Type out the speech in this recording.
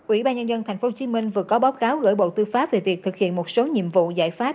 ubnd tp hcm vừa có báo cáo gửi bộ tư pháp về việc thực hiện một số nhiệm vụ giải pháp